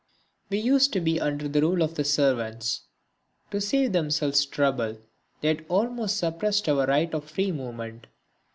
We used to be under the rule of the servants. To save themselves trouble they had almost suppressed our right of free movement.